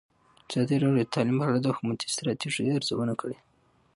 ازادي راډیو د تعلیم په اړه د حکومتي ستراتیژۍ ارزونه کړې.